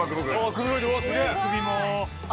すごい。